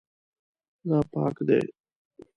دا پاک دی